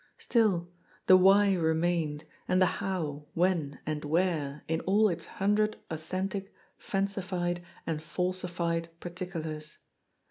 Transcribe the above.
Still, the why remained, and the how, when and where in all its hundred authentic, fan cied and falsified particulars.